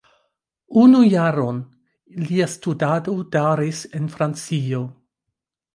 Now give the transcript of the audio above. Unu jaron lia studado daŭris en Francio.